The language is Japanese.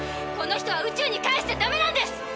この人は宇宙に返しちゃダメなんです！